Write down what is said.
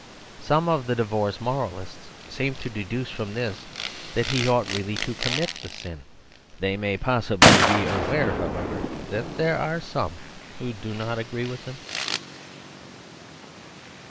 Some of the divorce moralists seem to deduce from this that he ought really to commit the sin. They may possibly be aware, however, that there are some who do not agree with them.